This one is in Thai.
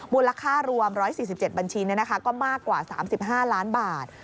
มูลค่ารวม๑๔๗บัญชีก็มากกว่า๓๕ล้านบาท